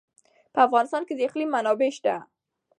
په افغانستان کې د اقلیم منابع شته.